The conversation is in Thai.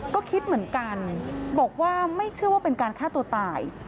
ก็คิดเหมือนกันบอกว่าไม่เชื่อว่าเป็นการฆ่าตัวตาย